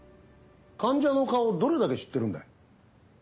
患者の顔どれだけ知ってるんだ？